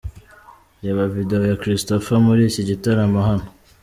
Reba Video ya Christopher muri iki gitaramo hano.